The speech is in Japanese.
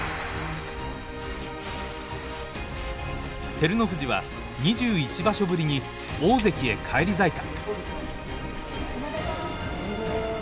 照ノ富士は２１場所ぶりに大関へ返り咲いた。